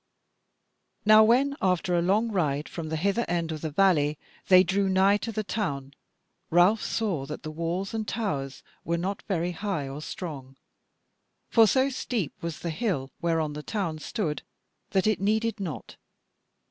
Now when, after a long ride from the hither end of the valley, they drew nigh to the town, Ralph saw that the walls and towers were not very high or strong, for so steep was the hill whereon the town stood, that it needed not.